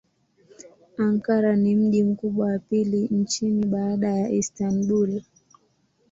Ankara ni mji mkubwa wa pili nchini baada ya Istanbul.